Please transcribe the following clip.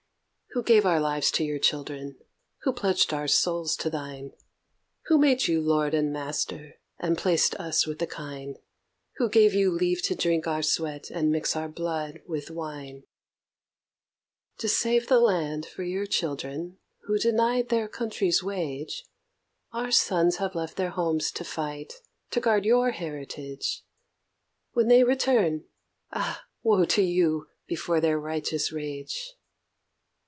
Who gave our lives to your children? Who pledged our souls to thine? Who made you Lord and Master and placed us with the kine? Who gave you leave to drink our sweat and mix our blood with wine? To save the land for your children, who denied their country's wage, Our sons have left their homes to fight, to guard your heritage; When they return Ah! woe to you before their righteous rage.